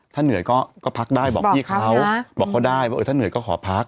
ถ้าเหนื่อยก็พักได้บอกพี่เขาบอกเขาได้ว่าถ้าเหนื่อยก็ขอพัก